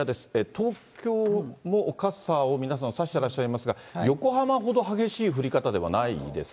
東京も傘を皆さん差してらっしゃいますが、横浜ほど激しい降り方